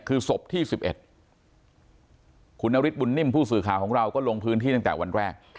คือศพที่๑๑คุณนฤทธบุญนิ่มผู้สื่อข่าวของเราก็ลงพื้นที่ตั้งแต่วันแรก